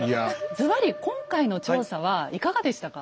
ズバリ今回の調査はいかがでしたか？